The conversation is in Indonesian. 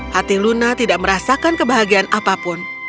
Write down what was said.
hati luna tidak merasakan kebahagiaan apapun